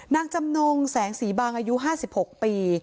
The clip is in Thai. จำนงแสงสีบางอายุ๕๖ปี